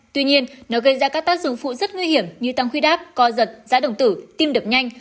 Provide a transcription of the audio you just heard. tuy nhiên nó gây ra các tác dụng phụ rất nguy hiểm như tăng khuy đáp co giật giá đồng tử tim đập nhanh